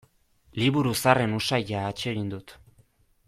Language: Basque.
Liburu zaharren usaina atsegin dut.